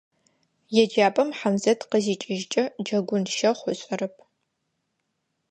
ЕджапӀэм Хьамзэт къызикӀыжькӀэ, джэгун щэхъу ышӀэрэп.